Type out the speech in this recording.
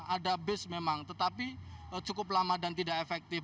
ada base memang tetapi cukup lama dan tidak efektif